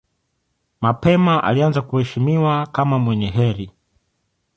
Mapema alianza kuheshimiwa kama mwenye heri.